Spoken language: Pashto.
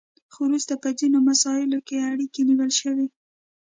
خو وروسته په ځینو مساییلو کې اړیکې نیول شوي